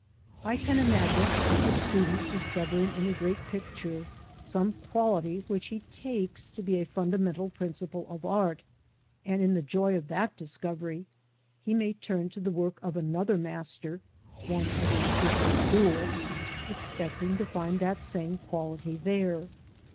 I can imagine such a student discovering in a great picture some quality which he takes to be a fundamental principle of art, and in the joy of that discovery he may turn to the work of another master (one of a different school), expecting to find that same quality there.